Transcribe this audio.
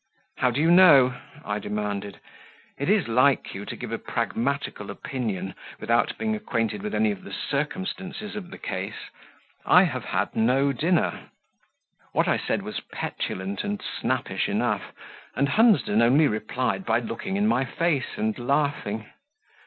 "How do you know?" I demanded. "It is like you to give a pragmatical opinion without being acquainted with any of the circumstances of the case; I have had no dinner." What I said was petulant and snappish enough, and Hunsden only replied by looking in my face and laughing.